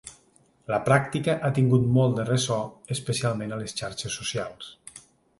La pràctica ha tingut molt de ressò especialment a les xarxes socials.